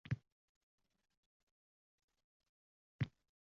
Va buni atay qilmayman.